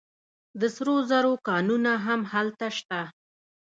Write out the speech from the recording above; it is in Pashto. د سرو زرو کانونه هم هلته شته.